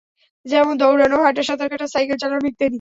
যেমনঃ দৌড়ানো, হাঁটা, সাঁতার কাঁটা, সাইকেল চালানো, ইত্যাদি।